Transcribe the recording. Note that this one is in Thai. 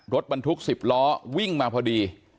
รถบรรทุก๑๐ล้อวิ่งมาพอดี